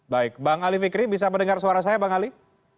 baik bang ali fikri bisa mendengar suara saya bang ali